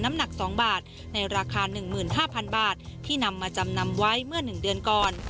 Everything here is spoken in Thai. น้ำหนัก๒บาทในราคา๑๕๐๐๐บาทที่นำมาจำนำไว้เมื่อ๑เดือนก่อน